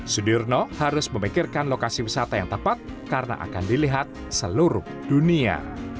sudirno harus memikirkan lokasi wisata yang tepat karena akan dilihat seluruh dunia